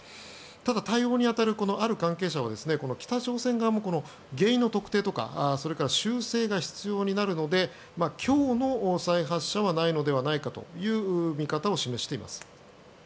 ただ、対応に当たるある関係者は北朝鮮側も原因の特定とかそれから修正が必要になるので今日の再発射はないのではないかという見方を示しています。